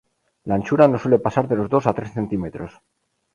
La anchura no suele pasar de los dos a tres centímetros.